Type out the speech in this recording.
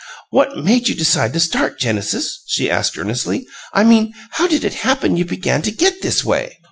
"What made you decide to start, Genesis?" she asked, earnestly. "I mean, how did it happen you began to get this way?"